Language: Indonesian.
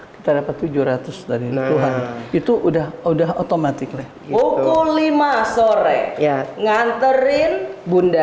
kita dapat tujuh ratus dari tuhan itu udah udah otomatis pukul lima sore ya nganterin bunda